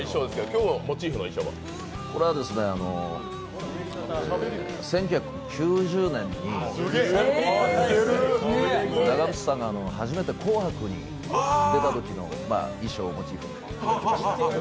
今日は１９９０年に長渕さんが初めて「紅白」に出たときの衣装をモチーフに。